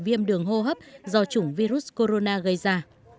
viêm đường hô hấp do chủng virus corona gây ra